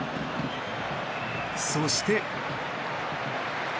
そして。